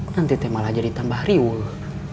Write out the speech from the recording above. nanti malah jadi tambah hari wuh